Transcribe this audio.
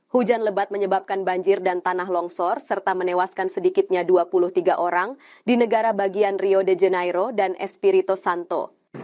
hujan lebat menyebabkan banjir dan tanah longsor serta menewaskan sedikitnya dua puluh tiga orang di negara bagian rio de janeiro dan espirito santo